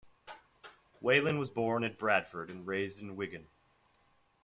Whelan was born in Bradford, and raised in Wigan.